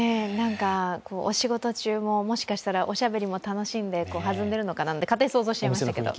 お仕事中も、もしかしたらおしゃべりも楽しんではずんでいるのかなんて勝手に想像しちゃいましたけど。